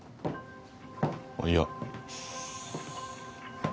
あぁいや。